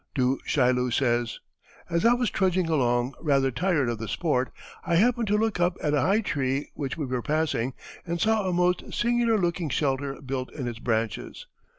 Du Chaillu says: "As I was trudging along, rather tired of the sport, I happened to look up at a high tree which we were passing, and saw a most singular looking shelter built in its branches.